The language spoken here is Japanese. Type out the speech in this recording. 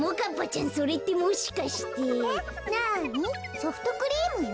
ソフトクリームよ。